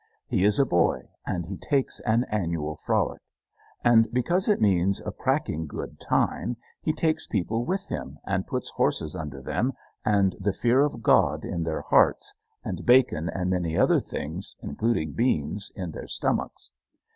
He is a boy, and he takes an annual frolic. And, because it means a cracking good time, he takes people with him and puts horses under them and the fear of God in their hearts, and bacon and many other things, including beans, in their stomachs.